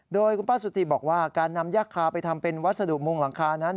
โดยคุณป้าสุธิบอกว่าการนำยากคาไปทำเป็นวัสดุมงหลังคานั้น